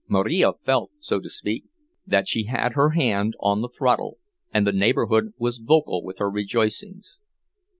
Marija felt, so to speak, that she had her hand on the throttle, and the neighborhood was vocal with her rejoicings.